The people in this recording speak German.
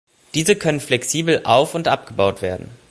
Diese können flexibel auf- und abgebaut werden.